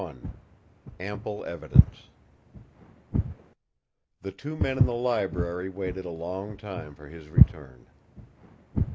XXI "AMPLE EVIDENCE" The two men in the library waited a long time for his return.